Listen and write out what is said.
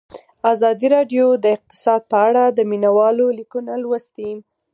ازادي راډیو د اقتصاد په اړه د مینه والو لیکونه لوستي.